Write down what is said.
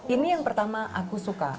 ini yang pertama aku suka